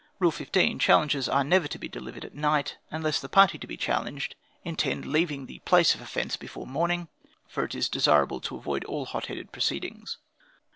"Rule 15. Challenges are never to be delivered at night, unless the party to be challenged intend leaving the place of offence before morning; for it is desirable to avoid all hot headed proceedings.